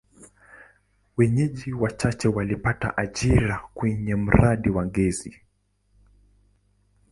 Wenyeji wachache walipata ajira kwenye mradi wa gesi.